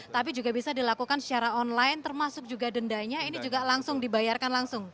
tapi juga bisa dilakukan secara online termasuk juga dendanya ini juga langsung dibayarkan langsung